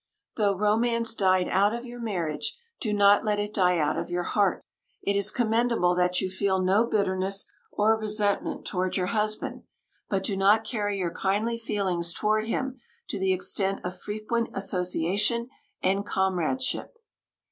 Though romance died out of your marriage, do not let it die out of your heart. It is commendable that you feel no bitterness or resentment toward your husband. But do not carry your kindly feelings toward him to the extent of frequent association and comradeship.